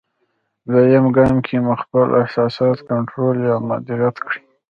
دوېم ګام کې مو خپل احساسات کنټرول یا مدیریت کړئ.